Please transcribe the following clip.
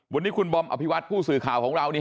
วันนี้คุณบอมอภิวัตผู้สื่อข่าวของเรา